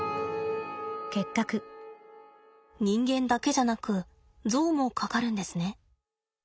人間だけじゃなくゾウもかかるんですね。